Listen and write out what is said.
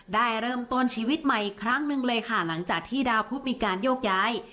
ได้เริ่มต้นชีวิตใหม่อีกครั้งหนึ่งเลยค่ะหลังจากที่ดาวพุทธมีการโยกย้าย